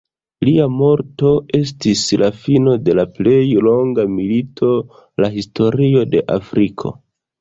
Lia morto estis la fino de la plej longa milito la historio de Afriko.